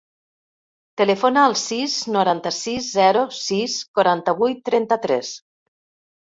Telefona al sis, noranta-sis, zero, sis, quaranta-vuit, trenta-tres.